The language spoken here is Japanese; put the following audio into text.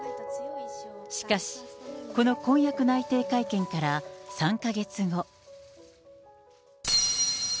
しかし、この婚約内定会見から３か月後。